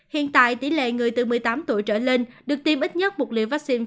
hiện tại tỷ lệ người từ một mươi tám tuổi trở lên được tiêm ít nhất một liều vaccine